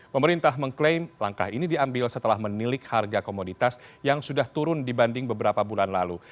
pemerintah mengklaim langkah ini diambil setelah menilik harga komoditas yang sudah turun dibanding beberapa bulan lalu